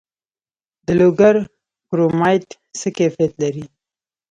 د لوګر کرومایټ څه کیفیت لري؟